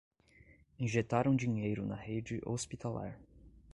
Injetaram dinheiro na rede hospitalar